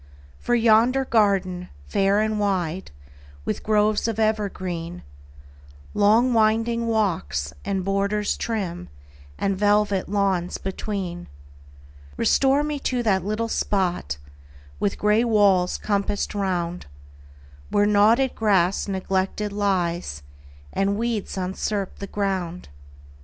For yonder garden, fair and wide, With groves of evergreen, Long winding walks, and borders trim, And velvet lawns between; Restore to me that little spot, With gray walls compassed round, Where knotted grass neglected lies, And weeds usurp the ground.